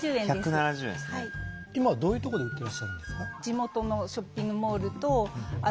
今どういうとこで売ってらっしゃるんですか？